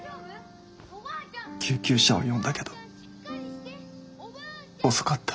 救急車を呼んだけど遅かった。